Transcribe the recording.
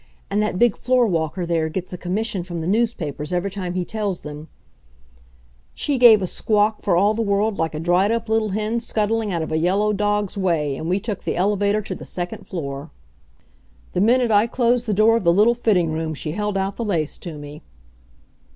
And that big floor walker there gets a commission from the newspapers every time he tells them " She gave a squawk for all the world like a dried up little hen scuttling out of a yellow dog's way, and we took the elevator to the second floor. The minute I closed the door of the little fitting room she held out the lace to me.